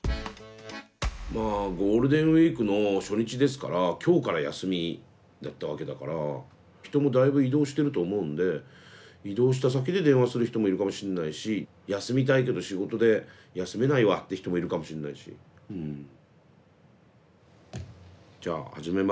まあゴールデンウイークの初日ですから今日から休みだったわけだから人もだいぶ移動してると思うんで移動した先で電話する人もいるかもしんないし「休みたいけど仕事で休めないわ」って人もいるかもしんないしうん。じゃあ始めます。